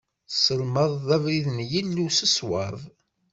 Tesselmadeḍ abrid n Yillu s ṣṣwab.